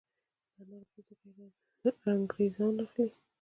د انارو پوستکي رنګریزان اخلي؟